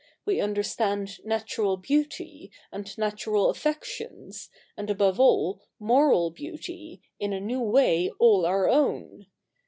We understand natural beauty, and natural affections, and above all moral beauty, in a new way, all our own.